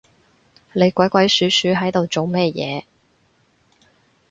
你鬼鬼鼠鼠係度做乜嘢